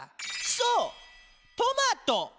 そうトマト。